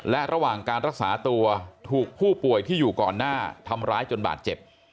และระหว่างการรักษาตัวถูกผู้ป่วยที่อยู่ก่อนหน้าทำร้ายจนบาดเจ็บ